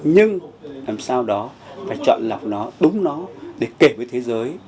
nhưng làm sao đó phải chọn lọc nó đúng nó để kể với thế giới